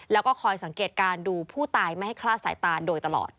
แล้วก็คอยสังเกตการณ์ดูผู้ตายไม่ให้คลาดสายตาโดยตลอด